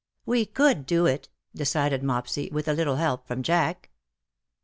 " We could do it," decided Mopsy, ^^ with a little help from Jack."